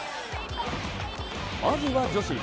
まずは女子。